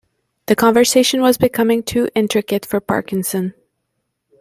The conversation was becoming too intricate for Parkinson.